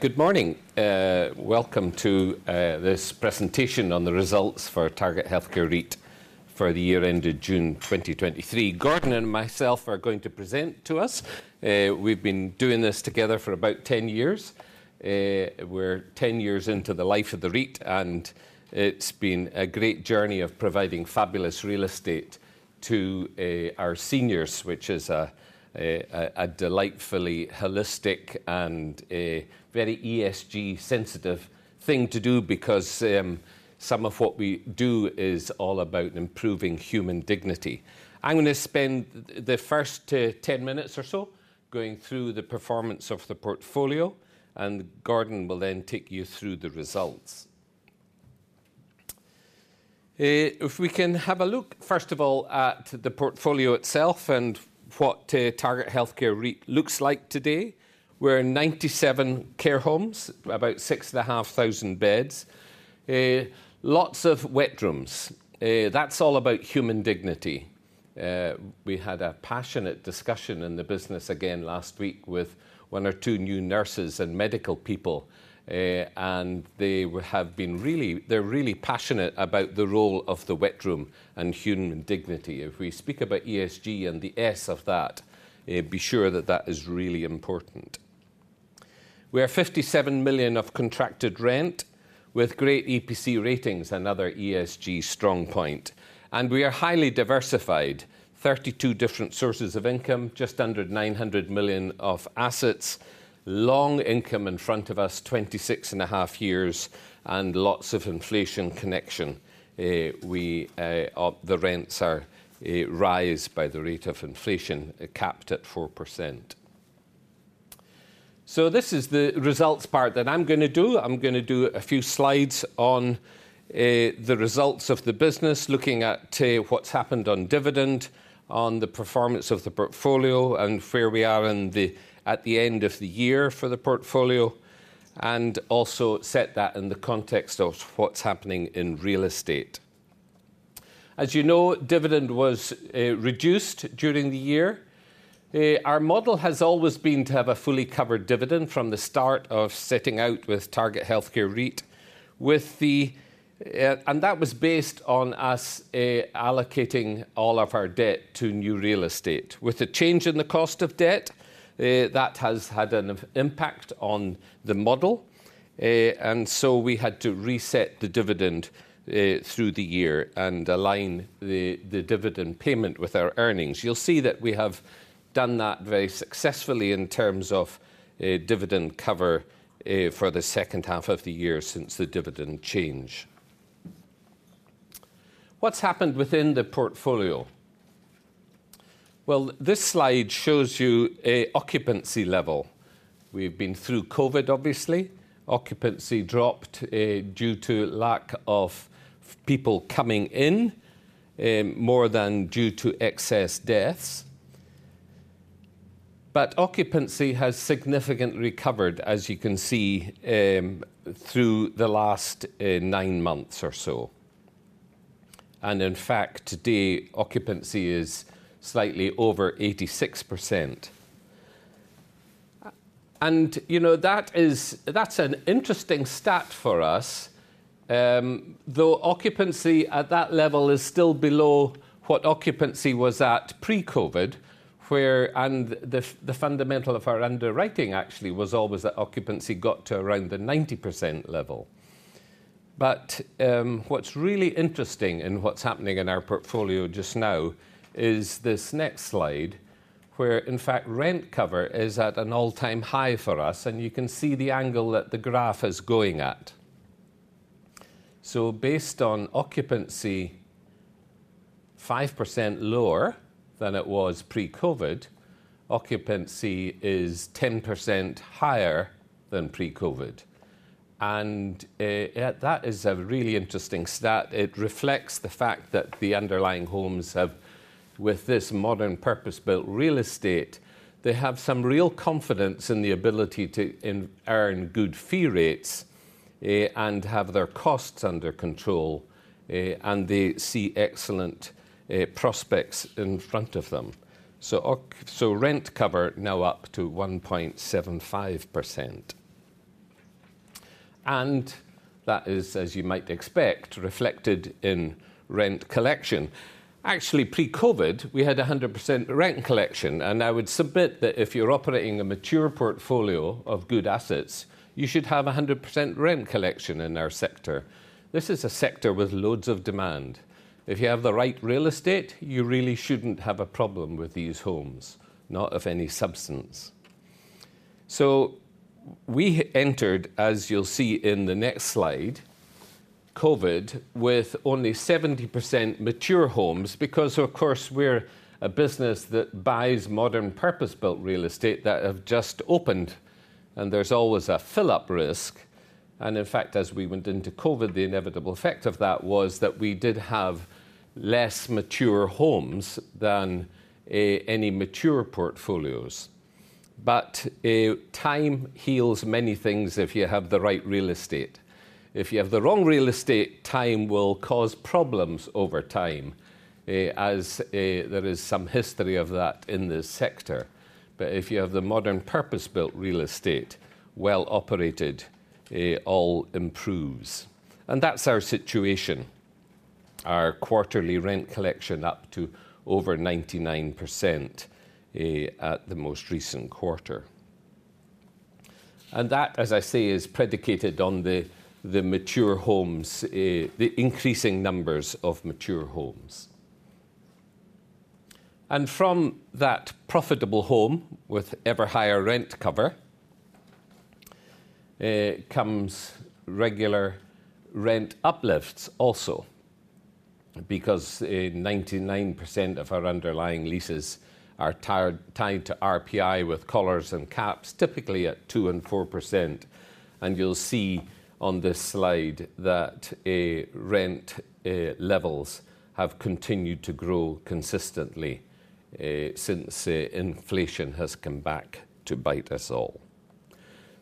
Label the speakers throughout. Speaker 1: Good morning. Welcome to this presentation on the results for Target Healthcare REIT for the year ended June 2023. Gordon and myself are going to present to us. We've been doing this together for about 10 years. We're 10 years into the life of the REIT, and it's been a great journey of providing fabulous real estate to our seniors, which is a delightfully holistic and very ESG-sensitive thing to do because some of what we do is all about improving human dignity. I'm gonna spend the first 10 minutes or so going through the performance of the portfolio, and Gordon will then take you through the results. If we can have a look, first of all, at the portfolio itself and what Target Healthcare REIT looks like today. We're in 97 care homes, about 6,500 beds. Lots of wet rooms. That's all about human dignity. We had a passionate discussion in the business again last week with one or two new nurses and medical people, and they have been really, They're really passionate about the role of the wet room and human dignity. If we speak about ESG and the S of that, be sure that that is really important. We have 57 million of contracted rent with great EPC ratings, another ESG strong point, and we are highly diversified. 32 different sources of income, just under 900 million of assets, long income in front of us, 26.5 years, and lots of inflation connection. The rents rise by the rate of inflation, capped at 4%. So this is the results part that I'm gonna do. I'm gonna do a few slides on the results of the business, looking at what's happened on dividend, on the performance of the portfolio, and where we are at the end of the year for the portfolio, and also set that in the context of what's happening in real estate. As you know, dividend was reduced during the year. Our model has always been to have a fully covered dividend from the start of setting out with Target Healthcare REIT, with the. that was based on us allocating all of our debt to new real estate. With the change in the cost of debt, that has had an impact on the model, and so we had to reset the dividend through the year and align the dividend payment with our earnings. You'll see that we have done that very successfully in terms of dividend cover for the second half of the year since the dividend change. What's happened within the portfolio? Well, this slide shows you a occupancy level. We've been through COVID, obviously. Occupancy dropped due to lack of people coming in, more than due to excess deaths. Occupancy has significantly recovered, as you can see, through the last nine months or so, and in fact, today, occupancy is slightly over 86%. You know, that is. That's an interesting stat for us. Though occupancy at that level is still below what occupancy was at pre-COVID, the fundamental of our underwriting actually was always that occupancy got to around the 90% level. But what's really interesting in what's happening in our portfolio just now is this next slide, in fact rent cover is at an all-time high for us, and you can see the angle that the graph is going at. So based on occupancy 5% lower than it was pre-COVID, occupancy is 10% higher than pre-COVID, and that is a really interesting stat. It reflects the fact that the underlying homes have, with this modern, purpose-built real estate, they have some real confidence in the ability to earn good fee rates, and have their costs under control, and they see excellent prospects in front of them. Rent cover now up to 1.75%. That is, as you might expect, reflected in rent collection. Actually, pre-COVID, we had 100% rent collection, and I would submit that if you're operating a mature portfolio of good assets, you should have 100% rent collection in our sector. This is a sector with loads of demand. If you have the right real estate, you really shouldn't have a problem with these homes, not of any substance. We entered, as you'll see in the next slide, COVID with only 70% mature homes because, of course, we're a business that buys modern, purpose-built real estate that have just opened, and there's always a fill-up risk. In fact, as we went into COVID, the inevitable effect of that was that we did have less mature homes than any mature portfolios. But time heals many things if you have the right real estate. If you have the wrong real estate, time will cause problems over time, as there is some history of that in this sector. But if you have the modern, purpose-built real estate, well-operated, all improves. And that's our situation. Our quarterly rent collection up to over 99%, at the most recent quarter. And that, as I say, is predicated on the mature homes, the increasing numbers of mature homes. From that profitable home, with ever higher rent cover, comes regular rent uplifts also, because 99% of our underlying leases are tied to RPI with collars and caps, typically at 2% and 4%. You'll see on this slide that rent levels have continued to grow consistently since inflation has come back to bite us all.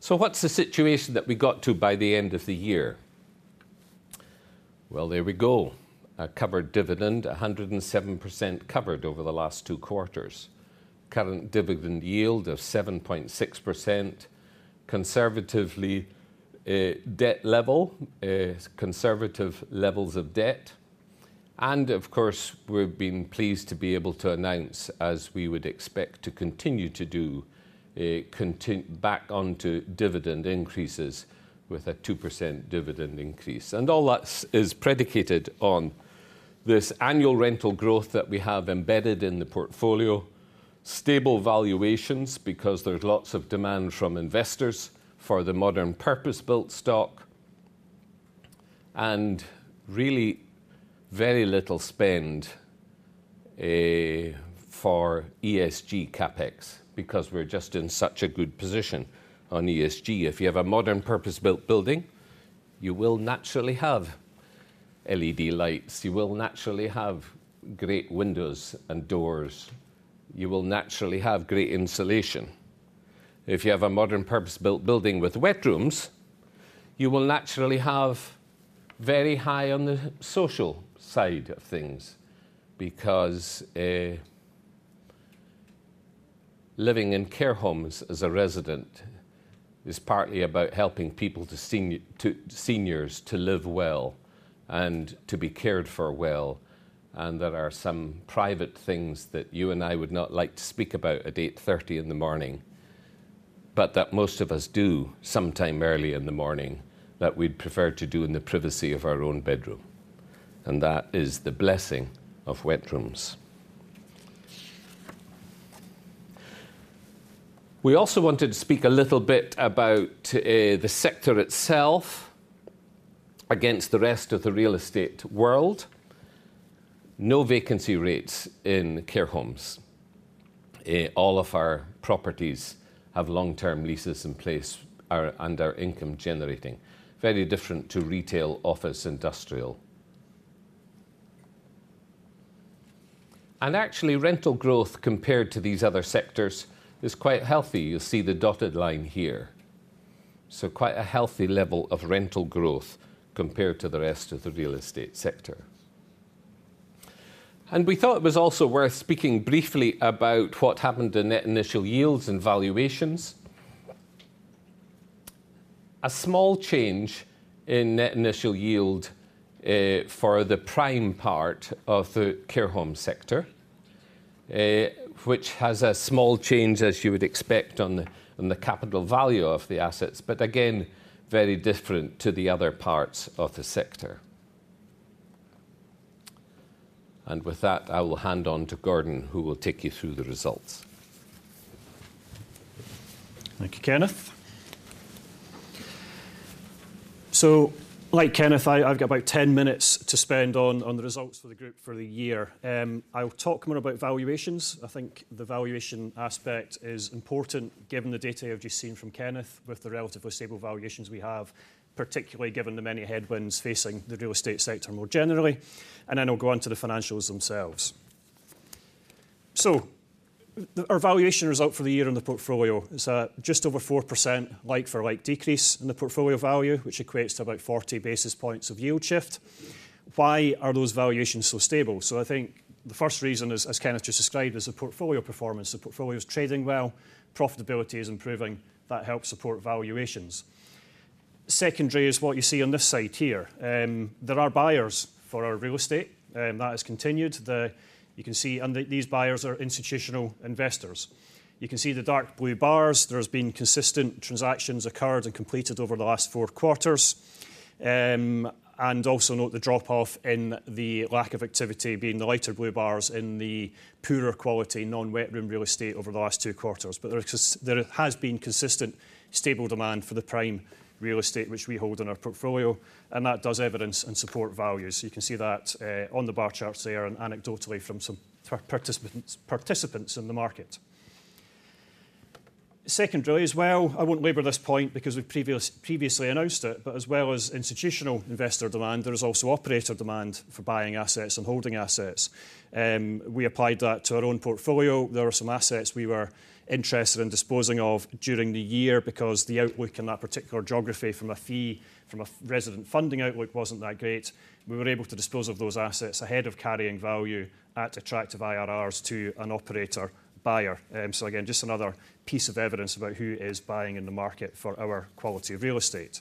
Speaker 1: What's the situation that we got to by the end of the year? Well, there we go. A covered dividend, 107% covered over the last two quarters. Current dividend yield of 7.6%. Conservative levels of debt. Of course, we've been pleased to be able to announce, as we would expect to continue to do, back onto dividend increases with a 2% dividend increase. And all that's is predicated on this annual rental growth that we have embedded in the portfolio. Stable valuations, because there's lots of demand from investors for the modern purpose-built stock. And really, very little spend for ESG CapEx, because we're just in such a good position on ESG. If you have a modern purpose-built building, you will naturally have LED lights. You will naturally have great windows and doors. You will naturally have great insulation. If you have a modern purpose-built building with wet rooms, you will naturally have very high on the social side of things. Because living in care homes as a resident is partly about helping people, seniors, to live well and to be cared for well, and there are some private things that you and I would not like to speak about at 8:30 in the morning, but that most of us do sometime early in the morning, that we'd prefer to do in the privacy of our own bedroom, and that is the blessing of wet rooms. We also wanted to speak a little bit about the sector itself against the rest of the real estate world. No vacancy rates in care homes. All of our properties have long-term leases in place, are income generating. Very different to retail, office, industrial. Actually, rental growth compared to these other sectors is quite healthy. You'll see the dotted line here. Quite a healthy level of rental growth compared to the rest of the real estate sector. We thought it was also worth speaking briefly about what happened to net initial yields and valuations. A small change in net initial yield for the prime part of the care home sector, which has a small change, as you would expect, on the capital value of the assets, but again, very different to the other parts of the sector. With that, I will hand on to Gordon, who will take you through the results.
Speaker 2: Thank you, Kenneth. Like Kenneth, I, I've got about 10 minutes to spend on the results for the group for the year. I'll talk more about valuations. I think the valuation aspect is important, given the data you've just seen from Kenneth, with the relatively stable valuations we have, particularly given the many headwinds facing the real estate sector more generally. I'll go on to the financials themselves. Our valuation result for the year on the portfolio is just over 4% like-for-like decrease in the portfolio value, which equates to about 40 basis points of yield shift. Why are those valuations so stable? I think the first reason is, as Kenneth just described, the portfolio performance. The portfolio is trading well, profitability is improving. That helps support valuations. Secondary is what you see on this side here. There are buyers for our real estate, that has continued. You can see, and these buyers are institutional investors. You can see the dark blue bars. There has been consistent transactions occurred and completed over the last four quarters. And also note the drop-off in the lack of activity, being the lighter blue bars, in the poorer quality, non-wet room real estate over the last two quarters. But there has been consistent, stable demand for the prime real estate, which we hold in our portfolio, and that does evidence and support value. So you can see that, on the bar charts there, and anecdotally from some participants, participants in the market. Secondly, I won't labour this point because we've previously announced it, but as well as institutional investor demand, there is also operator demand for buying assets and holding assets. We applied that to our own portfolio. There were some assets we were interested in disposing of during the year because the outlook in that particular geography from a fee, from a resident funding outlook, wasn't that great. We were able to dispose of those assets ahead of carrying value at attractive IRRs to an operator buyer. Just another piece of evidence about who is buying in the market for our quality of real estate.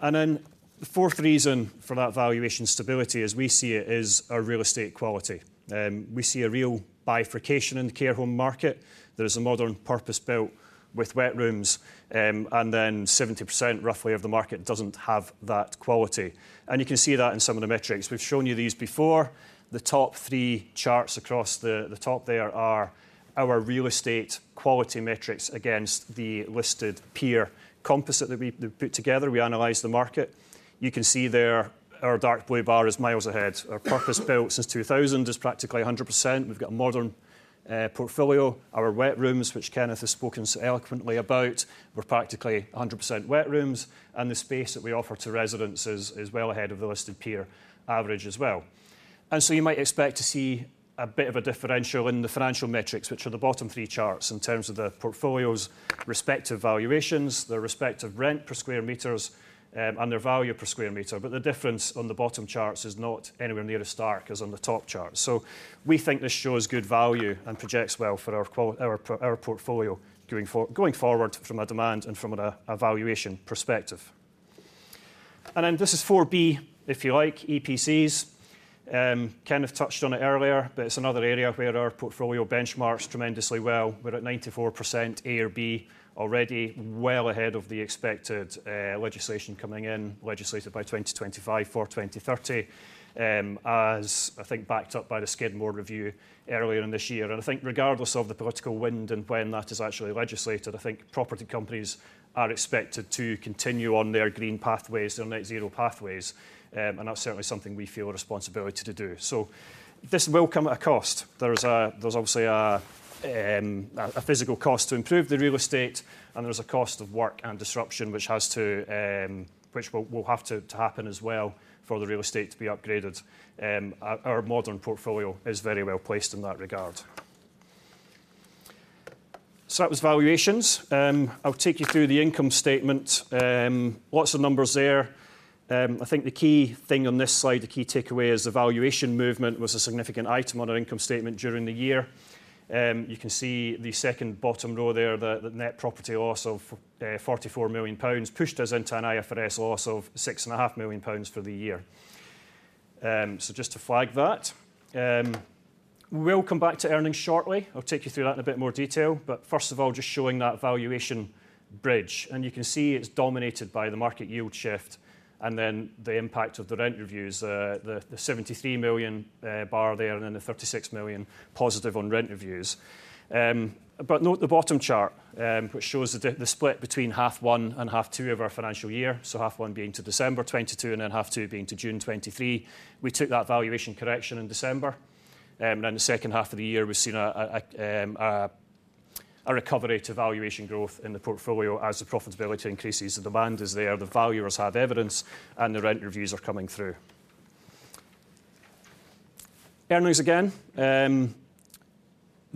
Speaker 2: Then the fourth reason for that valuation stability, as we see it, is our real estate quality. We see a real bifurcation in the care home market. There is a modern purpose-built with wet rooms, and then 70% roughly of the market doesn't have that quality. You can see that in some of the metrics. We've shown you these before. The top three charts across the top there are our real estate quality metrics against the listed peer composite that we put together. We analyzed the market. You can see there our dark blue bar is miles ahead. Our purpose-built since 2000 is practically 100%. We've got a modern portfolio. Our wet rooms, which Kenneth has spoken so eloquently about, were practically 100% wet rooms, and the space that we offer to residents is well ahead of the listed peer average as well. So you might expect to see a bit of a differential in the financial metrics, which are the bottom three charts, in terms of the portfolio's respective valuations, their respective rent per square meters, and their value per square meter. But the difference on the bottom charts is not anywhere near as stark as on the top charts. So we think this shows good value and projects well for our portfolio going forward from a demand and from a valuation perspective. And then this is four B, if you like, EPCs. Kenneth touched on it earlier, but it's another area where our portfolio benchmarks tremendously well. We're at 94% A or B already, well ahead of the expected legislation coming in, legislated by 2025 for 2030. As I think, backed up by the Skidmore Review earlier in this year. I think regardless of the political wind and when that is actually legislated, I think property companies are expected to continue on their green pathways, their net zero pathways. And that's certainly something we feel a responsibility to do. So this will come at a cost. There's obviously a physical cost to improve the real estate, and there's a cost of work and disruption, which will have to happen as well for the real estate to be upgraded. Our modern portfolio is very well placed in that regard. So that was valuations. I'll take you through the income statement. Lots of numbers there. I think the key thing on this slide, the key takeaway, is the valuation movement was a significant item on our income statement during the year. You can see the second bottom row there, the net property loss of 44 million pounds, pushed us into an IFRS loss of 6.5 million pounds for the year. Just to flag that. We'll come back to earnings shortly. I'll take you through that in a bit more detail, but first of all, just showing that valuation bridge. You can see it's dominated by the market yield shift, and then the impact of the rent reviews, the 73 million bar there, and then the 36 million positive on rent reviews. Note the bottom chart, which shows the split between half one and half two of our financial year. Half one being to December 2022, and then half two being to June 2023. We took that valuation correction in December. In the second half of the year, we've seen a recovery to valuation growth in the portfolio as the profitability increases. The demand is there, the valuers have evidence, and the rent reviews are coming through. Earnings again.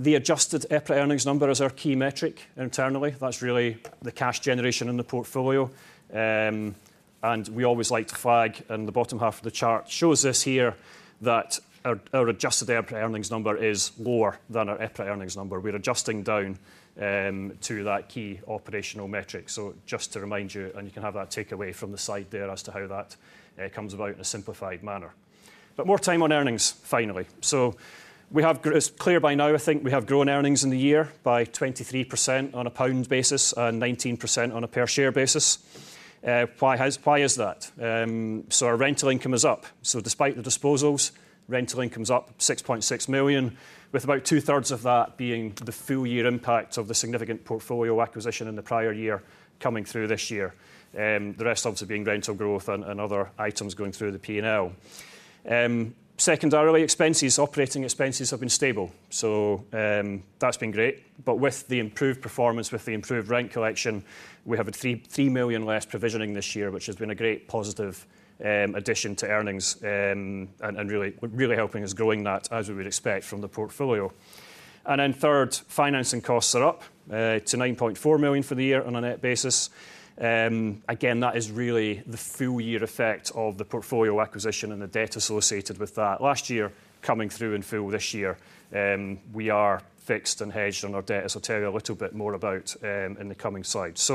Speaker 2: The adjusted EPRA earnings number is our key metric internally. That's really the cash generation in the portfolio. We always like to flag, in the bottom half of the chart, shows this here, that our adjusted EPRA earnings number is lower than our EPRA earnings number. We're adjusting down to that key operational metric. Just to remind you, and you can have that takeaway from the side there as to how that comes about in a simplified manner. More time on earnings, finally. We have grown earnings in the year by 23% on a pound basis and 19% on a per share basis. Why is that? Our rental income is up. Despite the disposals, rental income is up 6.6 million, with about two-thirds of that being the full year impact of the significant portfolio acquisition in the prior year coming through this year. The rest obviously being rental growth and other items going through the P&L. Secondarily, operating expenses have been stable, so that's been great. With the improved performance, with the improved rent collection, we have a 3 million less provisioning this year, which has been a great positive, addition to earnings, and really, really helping us growing that, as we would expect from the portfolio. Third, financing costs are up to 9.4 million for the year on a net basis. Again, that is really the full year effect of the portfolio acquisition and the debt associated with that. Last year, coming through in full this year, we are fixed and hedged on our debt, as I'll tell you a little bit more about in the coming slides.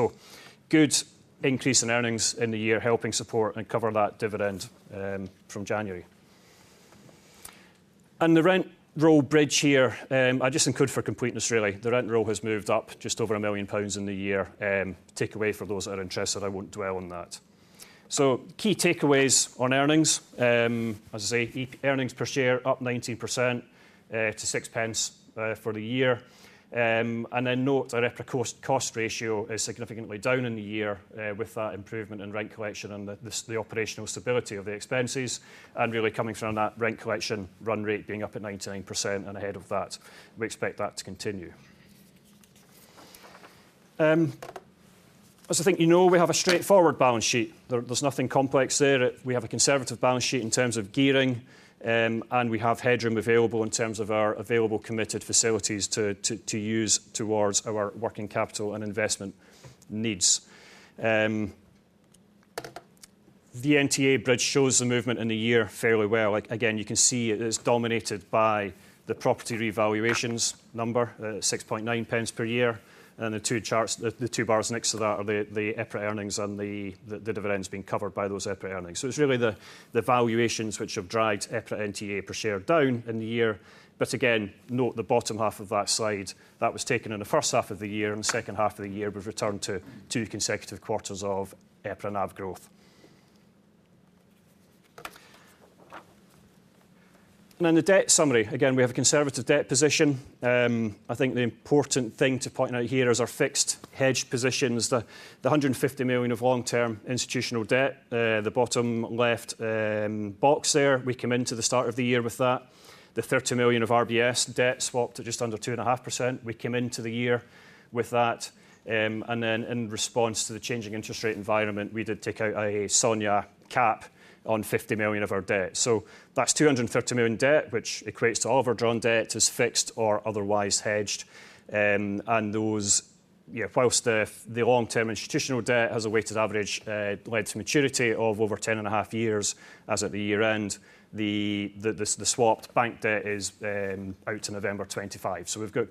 Speaker 2: Good increase in earnings in the year, helping support and cover that dividend from January. The rent roll bridge here, I just include for completeness, really. The rent roll has moved up just over 1 million pounds in the year. Take away for those that are interested, I won't dwell on that. Key takeaways on earnings. As I say, earnings per share up 19% to 6 pence for the year. Note our EPRA cost ratio is significantly down in the year, with that improvement in rent collection and the operational stability of the expenses, and really coming from that rent collection run rate being up at 99% and ahead of that. We expect that to continue. As I think you know, we have a straightforward balance sheet. There's nothing complex there. We have a conservative balance sheet in terms of gearing, and we have headroom available in terms of our available committed facilities to use towards our working capital and investment needs. The EPRA NTA bridge shows the movement in the year fairly well. Like, again, you can see it is dominated by the property revaluations number, 6.9 pence per year. And the two charts, the two bars next to that are the EPRA earnings and the dividends being covered by those EPRA earnings. So it's really the valuations which have dragged EPRA NTA per share down in the year. But again, note the bottom half of that slide, that was taken in the first half of the year, and the second half of the year, we've returned to two consecutive quarters of EPRA NAV growth. In the debt summary, again, we have a conservative debt position. I think the important thing to point out here is our fixed hedge positions, the 150 million of long-term institutional debt. The bottom left, box there, we come into the start of the year with that. The 30 million of RBS debt swapped to just under two and a half percent. We came into the year with that. And then in response to the changing interest rate environment, we did take out a SONIA cap on 50 million of our debt. So that's 250 million debt, which equates to all of our drawn debt, is fixed or otherwise hedged. And those... Yeah, whilst the long-term institutional debt has a weighted average term to maturity of over 10.5 years as at the year-end, the swapped bank debt is out to November 2025. So we've got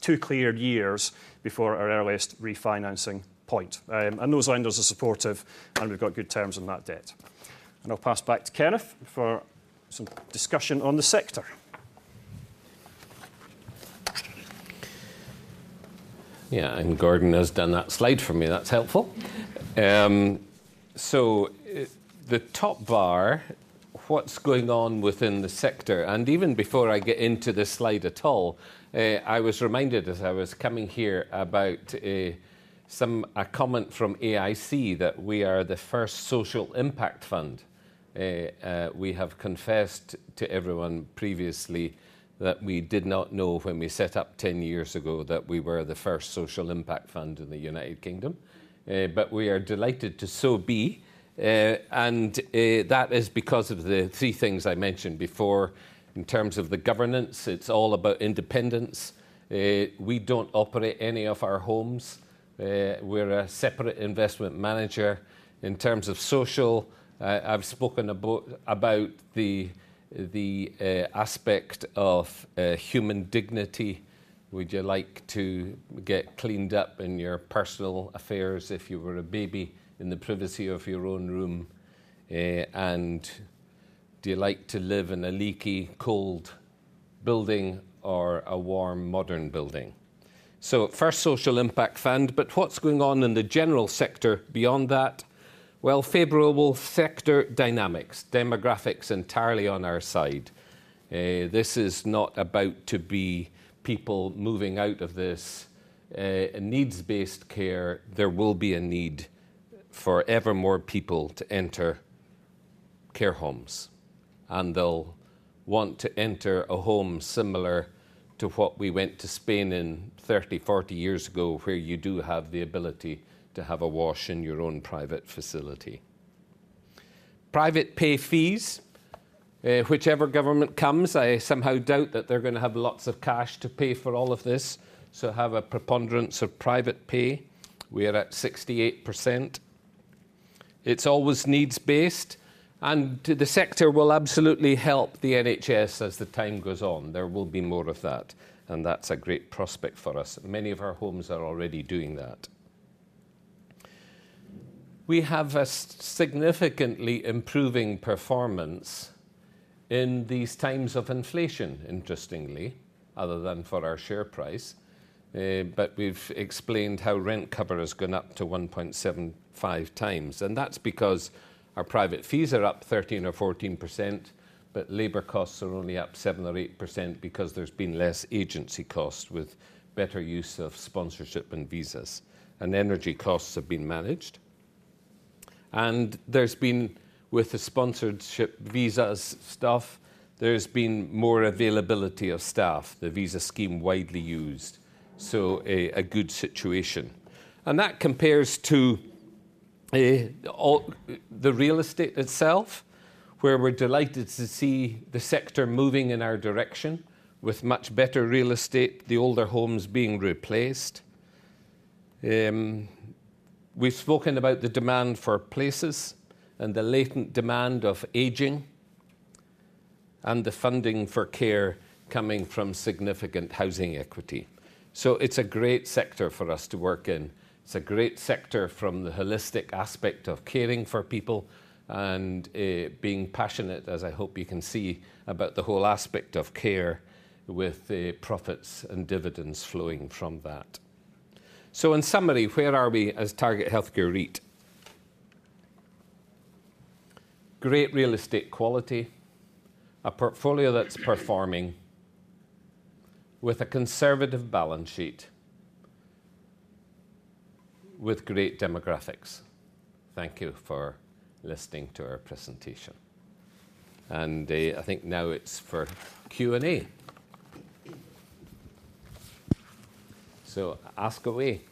Speaker 2: two clear years before our earliest refinancing point. And those lenders are supportive, and we've got good terms on that debt. And I'll pass back to Kenneth for some discussion on the sector.
Speaker 1: Yeah, and Gordon has done that slide for me. That's helpful. So, the top bar, what's going on within the sector? And even before I get into this slide at all, I was reminded as I was coming here about some. a comment from AIC, that we are the first social impact fund. We have confessed to everyone previously that we did not know when we set up ten years ago that we were the first social impact fund in the United Kingdom. But we are delighted to so be. And that is because of the three things I mentioned before. In terms of the governance, it's all about independence. We don't operate any of our homes. We're a separate investment manager. In terms of social, I, I've spoken about the aspect of human dignity. Would you like to get cleaned up in your personal affairs if you were a baby in the privacy of your own room? And do you like to live in a leaky, cold building or a warm, modern building? So first social impact fund, but what's going on in the general sector beyond that? Well, favorable sector dynamics, demographics entirely on our side. This is not about to be people moving out of this. A needs-based care, there will be a need for ever more people to enter care homes, and they'll want to enter a home similar to what we went to Spain in 30, 40 years ago, where you do have the ability to have a wash in your own private facility. Private pay fees. Whichever government comes, I somehow doubt that they're gonna have lots of cash to pay for all of this, so have a preponderance of private pay. We are at 68%. It's always needs-based, and the sector will absolutely help the NHS as the time goes on. There will be more of that, and that's a great prospect for us. Many of our homes are already doing that. We have significantly improving performance in these times of inflation, interestingly, other than for our share price. But we've explained how rent cover has gone up to 1.75 times, and that's because our private fees are up 13%-14%, but labor costs are only up 7%-8% because there's been less agency costs with better use of sponsorship and visas, and energy costs have been managed. There's been, with the sponsorship visas stuff, more availability of staff, the visa scheme widely used. A good situation. That compares to all the real estate itself, where we're delighted to see the sector moving in our direction with much better real estate, the older homes being replaced. We've spoken about the demand for places and the latent demand of aging, and the funding for care coming from significant housing equity. It's a great sector for us to work in. It's a great sector from the holistic aspect of caring for people and being passionate, as I hope you can see, about the whole aspect of care with the profits and dividends flowing from that. In summary, where are we as Target Healthcare REIT? Great real estate quality, a portfolio that's performing with a conservative balance sheet, with great demographics. Thank you for listening to our presentation. And, I think now it's for Q&A. So ask away.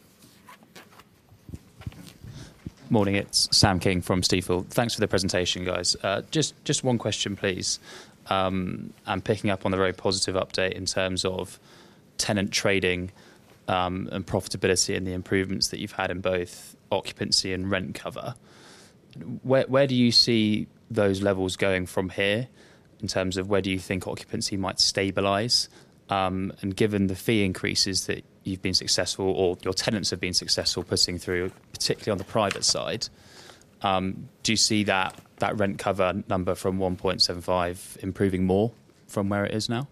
Speaker 3: Morning, it's Sam King from Stifel. Thanks for the presentation, guys. Just one question, please. I'm picking up on the very positive update in terms of tenant trading, and profitability and the improvements that you've had in both occupancy and rent cover. Where do you see those levels going from here, in terms of where do you think occupancy might stabilize? And given the fee increases that you've been successful or your tenants have been successful passing through, particularly on the private side, do you see that rent cover number from 1.75 improving more from where it is now?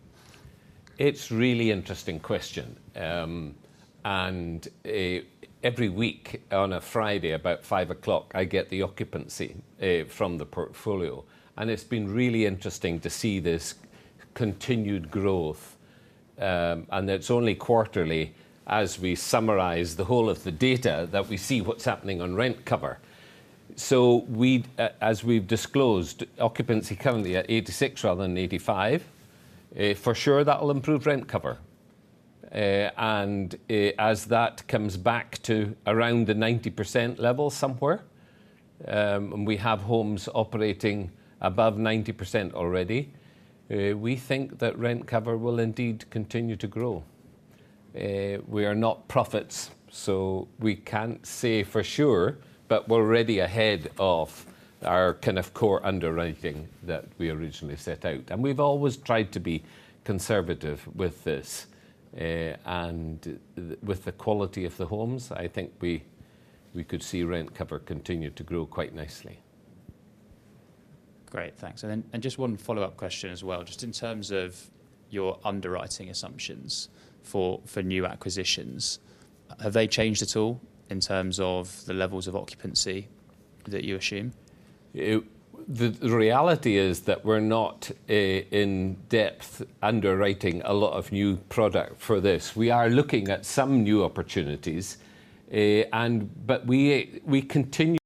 Speaker 1: It's a really interesting question. Every week on a Friday, about 5:00 P.M., I get the occupancy from the portfolio, and it's been really interesting to see this continued growth. It's only quarterly as we summarize the whole of the data that we see what's happening on rent cover. As we've disclosed, occupancy currently at 86 rather than 85. For sure, that will improve rent cover. As that comes back to around the 90% level somewhere, and we have homes operating above 90% already, we think that rent cover will indeed continue to grow. We are not prophets, so we can't say for sure, but we're already ahead of our kind of core underwriting that we originally set out. We've always tried to be conservative with this. And with the quality of the homes, I think we could see rent cover continue to grow quite nicely.
Speaker 3: Great, thanks. And then, just one follow-up question as well. Just in terms of your underwriting assumptions for new acquisitions, have they changed at all in terms of the levels of occupancy that you assume?
Speaker 1: The reality is that we're not in depth underwriting a lot of new product for this. We are looking at some new opportunities, and we continue.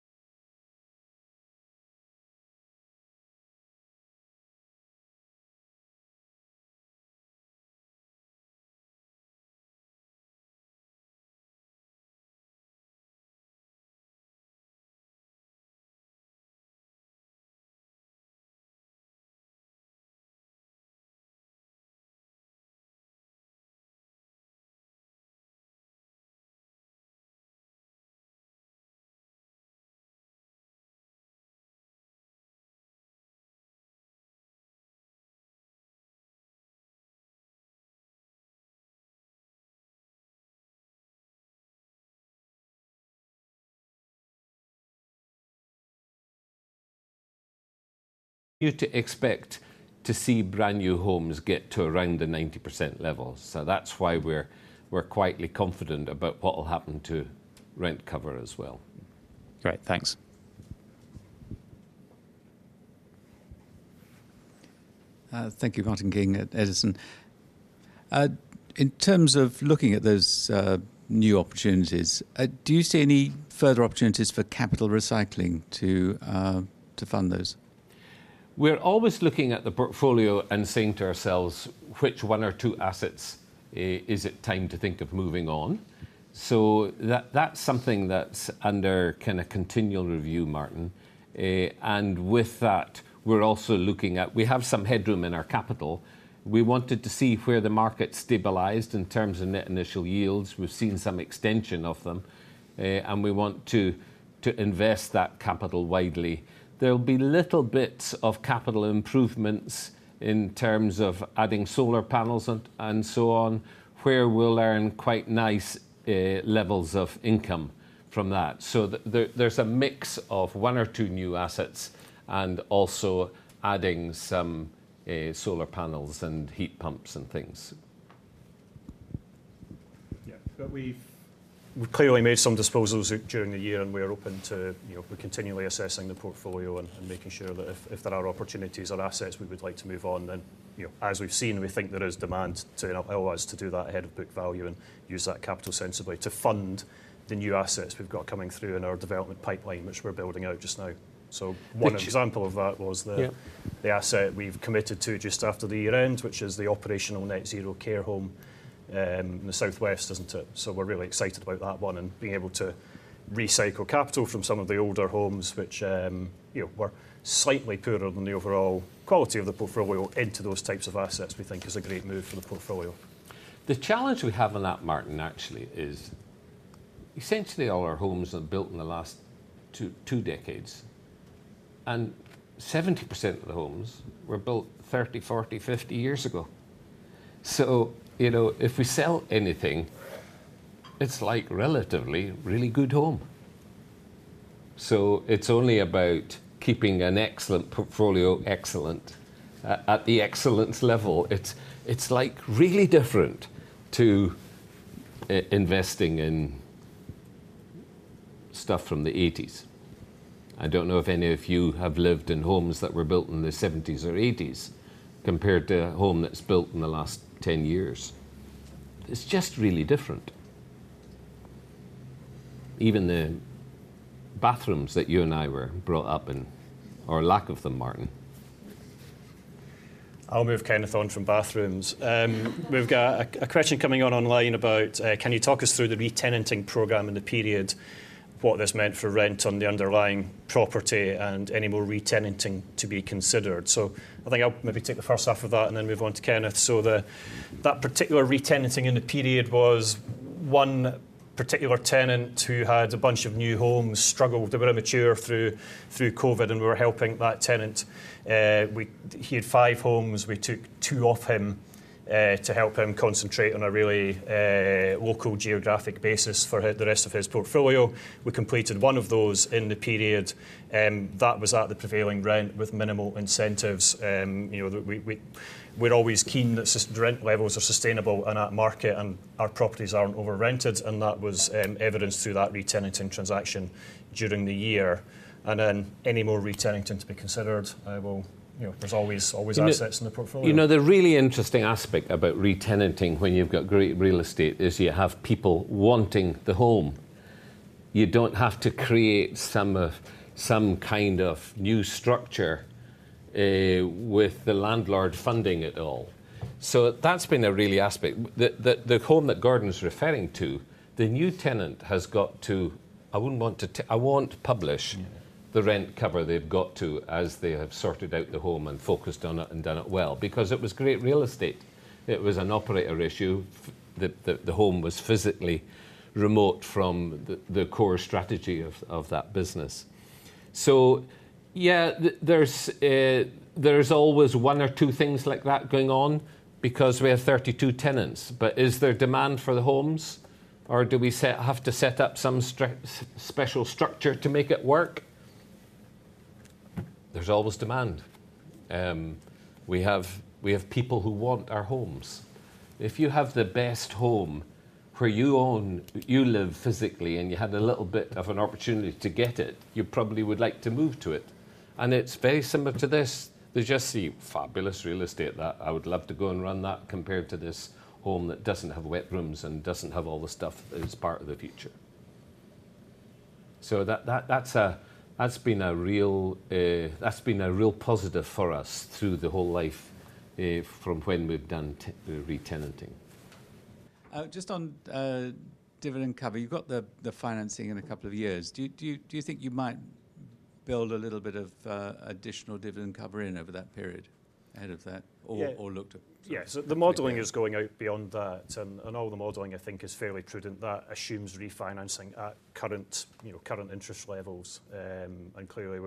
Speaker 1: you to expect to see brand-new homes get to around the 90% level. That's why we're quietly confident about what will happen to rent cover as well.
Speaker 3: Great, thanks.
Speaker 4: Thank you, Martyn King at Edison. In terms of looking at those new opportunities, do you see any further opportunities for capital recycling to fund those?
Speaker 1: We're always looking at the portfolio and saying to ourselves, which one or two assets is it time to think of moving on? So that's something that's under kinda continual review, Martyn. And with that, we're also looking at, we have some headroom in our capital. We wanted to see where the market stabilized in terms of net initial yields. We've seen some extension of them, and we want to invest that capital widely. There'll be little bits of capital improvements in terms of adding solar panels and so on, where we'll earn quite nice levels of income from that. So there's a mix of one or two new assets, and also adding some solar panels and heat pumps and things.
Speaker 2: Yeah, but we've clearly made some disposals during the year, and we are open to, you know, we're continually assessing the portfolio and making sure that if there are opportunities or assets we would like to move on, then, you know, as we've seen, we think there is demand to allow us to do that ahead of book value and use that capital sensibly to fund the new assets we've got coming through in our development pipeline, which we're building out just now. So one example of that was the.
Speaker 1: Yeah
Speaker 2: The asset we've committed to just after the year end, which is the operational net zero care home, in the southwest, isn't it? So we're really excited about that one and being able to recycle capital from some of the older homes, which, you know, were slightly poorer than the overall quality of the portfolio into those types of assets, we think is a great move for the portfolio.
Speaker 1: The challenge we have on that, Martyn, actually, is essentially all our homes are built in the last two decades, and 70% of the homes were built 30, 40, 50 years ago. So, you know, if we sell anything, it's like relatively really good home. So it's only about keeping an excellent portfolio excellent, at the excellence level. It's, it's like really different to investing in stuff from the 1980s. I don't know if any of you have lived in homes that were built in the 1970s or 1980s, compared to a home that's built in the last 10 years. It's just really different. Even the bathrooms that you and I were brought up in, or lack of them, Martyn.
Speaker 2: I'll move Kenneth on from bathrooms. We've got a question coming online about can you talk us through the re-tenanting program in the period, what this meant for rent on the underlying property, and any more re-tenanting to be considered? So I think I'll maybe take the first half of that and then move on to Kenneth. So that particular re-tenanting in the period was... One particular tenant who had a bunch of new homes struggled. They were immature through COVID, and we were helping that tenant. He had five homes. We took two off him to help him concentrate on a really local geographic basis for the rest of his portfolio. We completed one of those in the period, that was at the prevailing rent with minimal incentives. You know, we're always keen that the rent levels are sustainable and at market, and our properties aren't overrented, and that was evidenced through that re-tenanting transaction during the year. And then, any more re-tenanting to be considered, I will, you know, there's always assets in the portfolio.
Speaker 1: You know, the really interesting aspect about re-tenanting when you've got great real estate is you have people wanting the home. You don't have to create some kind of new structure with the landlord funding it all. So that's been a really aspect. The home that Gordon is referring to, the new tenant has got to... I wouldn't want to. I won't publish.
Speaker 2: Yeah
Speaker 1: The rent cover they've got to, as they have sorted out the home and focused on it and done it well, because it was great real estate. It was an operator issue, that the home was physically remote from the core strategy of that business. So yeah, there's always one or two things like that going on because we have 32 tenants, but is there demand for the homes, or do we have to set up some special structure to make it work? There's always demand. We have people who want our homes. If you have the best home where you own, you live physically, and you had a little bit of an opportunity to get it, you probably would like to move to it, and it's very similar to this. There's just the fabulous real estate that I would love to go and run that compared to this home that doesn't have wet rooms and doesn't have all the stuff that is part of the future. So that's been a real positive for us through the whole life from when we've done the re-tenanting.
Speaker 4: Just on dividend cover. You've got the financing in a couple of years. Do you think you might build a little bit of additional dividend cover in over that period, ahead of that-
Speaker 2: Yeah...
Speaker 4: or look to?
Speaker 2: Yeah. So the modeling is going out beyond that, and all the modeling, I think, is fairly prudent. That assumes refinancing at current, you know, current interest levels. And clearly,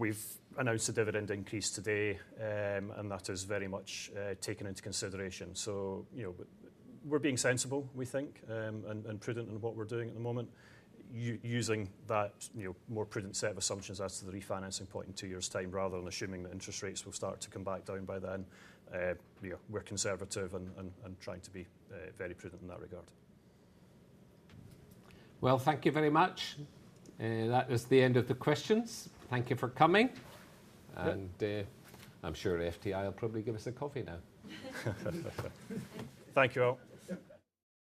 Speaker 2: we've announced a dividend increase today, and that is very much taken into consideration. So, you know, we're being sensible, we think, and prudent in what we're doing at the moment. Using that, you know, more prudent set of assumptions as to the refinancing point in two years' time, rather than assuming that interest rates will start to come back down by then. You know, we're conservative and trying to be very prudent in that regard.
Speaker 1: Well, thank you very much, and that was the end of the questions. Thank you for coming.
Speaker 2: Yeah.
Speaker 1: I'm sure FTI will probably give us a coffee now.
Speaker 2: Thank you all.